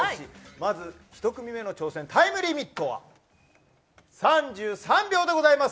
まず１組目の挑戦タイムリミットは３３秒でございます。